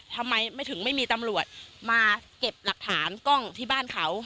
ทำไมไม่ถึงไม่มีตำรวจมาเก็บหลักฐานกล้องที่บ้านเขา